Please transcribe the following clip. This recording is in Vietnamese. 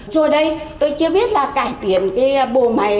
rồi đây tôi chưa biết là cải tiệm cái bồ máy